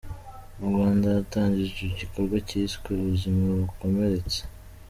Mu Rwanda hatangijwe igikorwa kiswe Ubuzima bukomeretse